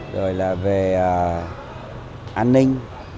rồi là về an ninh